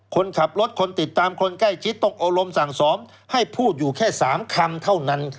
คนขับรถคนติดตามคนใกล้ชิดต้องอารมณ์สั่งสอนให้พูดอยู่แค่๓คำเท่านั้น